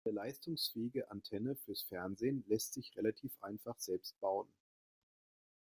Eine leistungsfähige Antenne fürs Fernsehen lässt sich relativ einfach selbst bauen.